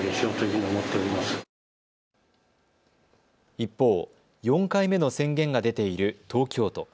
一方、４回目の宣言が出ている東京都。